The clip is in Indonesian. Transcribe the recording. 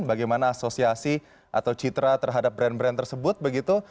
bagaimana asosiasi atau citra terhadap brand brand tersebut begitu